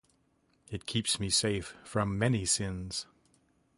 It keeps me safe from many sins.